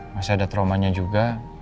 masih ada traumanya juga